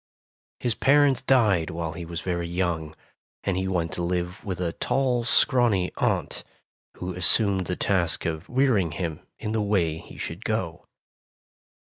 His parents died while he was very young, and he went to live with a tall scrawny aunt, who assumed the task of rearing him in the way he should go.